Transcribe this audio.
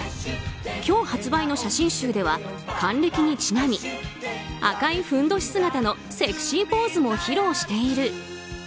今日発売の写真集では還暦にちなみ赤いふんどし姿のセクシーポーズも披露している。